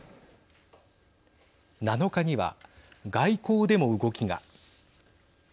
７日には、外交でも動きが。